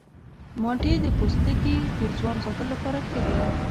مالټې د پوستکي د ځوان ساتلو لپاره ښه دي.